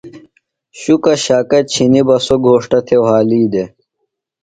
شُکہ شاکہ چِھنیۡ بہ سوۡ گھوݜٹہ تھےۡ وھالی دےۡ۔